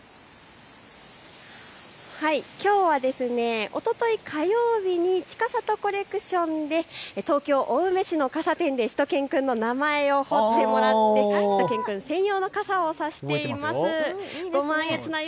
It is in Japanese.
きょうはおととい火曜日にちかさとコレクションで東京青梅市の傘店でしゅと犬くんの名前を彫ってもらってしゅと犬くん専用の傘を差しています。